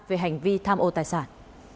về hành vi tham ô tài sản